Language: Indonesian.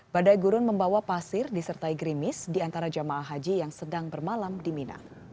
badai gurun membawa pasir disertai gerimis di antara jemaah haji yang sedang bermalam di mina